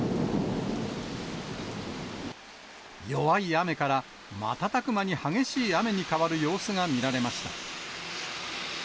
弱い雨から瞬く間に激しい雨に変わる様子が見られました。